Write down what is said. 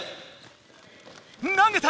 投げた！